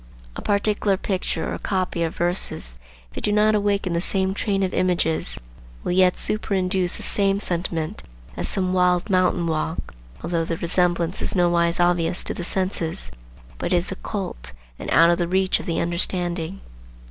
A particular picture or copy of verses, if it do not awaken the same train of images, will yet superinduce the same sentiment as some wild mountain walk, although the resemblance is nowise obvious to the senses, but is occult and out of the reach of the understanding.